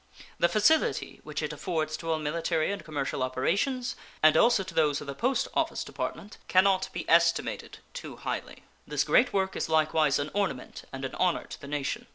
The facility which it affords to all military and commercial operations, and also to those of the Post Office Department, can not be estimated too highly. This great work is likewise an ornament and an honor to the nation.